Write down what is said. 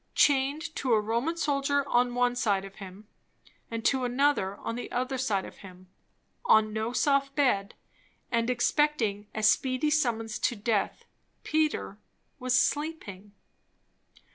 Chained to a Roman soldier on one side of him, and to another on the other side of him, on no soft bed, and expecting a speedy summons to death, Peter was sleeping.